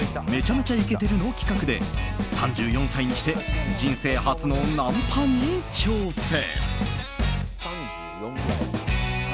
「めちゃ×２イケてるッ！」の企画で３４歳にして人生初のナンパに挑戦。